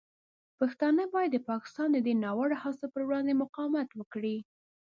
پښتانه باید د پاکستان د دې ناوړه هڅو پر وړاندې مقاومت وکړي.